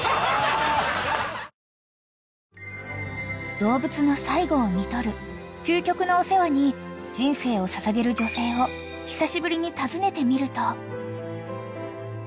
［動物の最期を看取る究極のお世話に人生を捧げる女性を久しぶりに訪ねてみると］